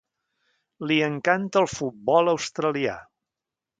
Li encanta el futbol australià.